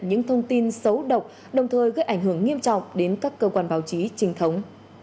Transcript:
những thông tin xấu độc đồng thời gây ảnh hưởng nghiêm trọng đến các cơ quan báo chí trinh thống